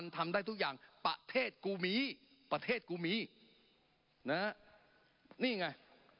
ทำได้ทุกอย่างประเทศกูมีประเทศกูมีนะฮะนี่ไง